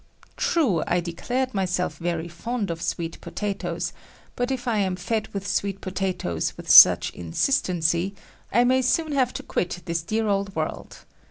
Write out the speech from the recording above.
True, I declared myself very fond of sweet potatoes, but if I am fed with sweet potatoes with such insistency, I may soon have to quit this dear old world.